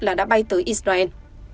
là đã bay tới israel